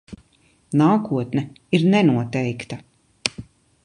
Nākotne ir nenoteikta.